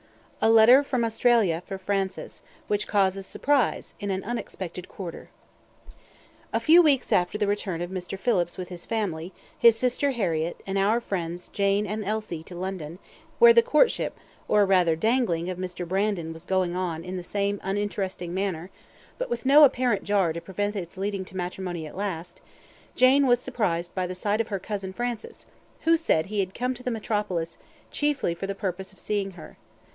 A Letter From Australia For Francis, Which Causes Surprise In An Unexpected Quarter A few weeks after the return of Mr. Phillips with his family, his sister Harriett, and our friends Jane and Elsie to London, where the courtship, or rather dangling, of Mr. Brandon was going on in the same uninteresting manner, but with no apparent jar to prevent its leading to matrimony at last, Jane was surprised by the sight of her cousin Francis, who said he had come to the metropolis, chiefly for the purpose of seeing her.